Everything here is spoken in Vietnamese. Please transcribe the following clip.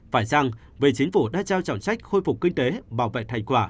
phải rằng về chính phủ đã trao trọng trách khôi phục kinh tế bảo vệ thành quả